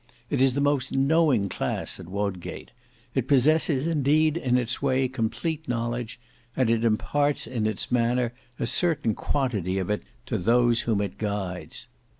It is the most knowing class at Wodgate; it possesses indeed in its way complete knowledge; and it imparts in its manner a certain quantity of it to those whom it guides.